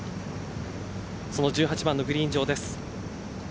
その１８番のグリーン上です。